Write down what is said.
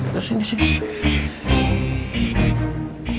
dari sini sini